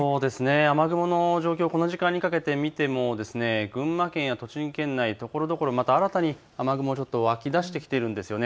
雨雲の状況、この時間にかけて見ても群馬県や栃木県内ところどころまた新たに雨雲ちょっと沸き出しているんです。